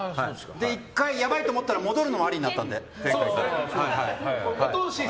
１回、やばいと思ったら戻るのもありになったので。